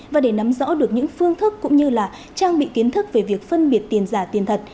và để nắm rõ được những phương thức cũng như là trang bị kiến thức về việc phân biệt tiền giả tiền thật